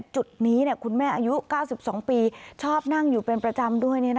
จุดนี้คุณแม่อายุ๙๒ปีชอบนั่งอยู่เป็นประจำด้วย